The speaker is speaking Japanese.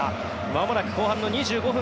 まもなく後半の２５分。